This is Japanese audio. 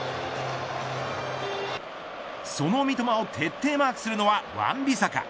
その三笘を徹底マークするのはワンビサカ。